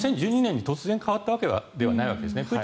２０１２年に突然変わったわけではないわけですね。